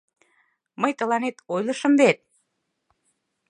— Мый тыланет ойлышым вет!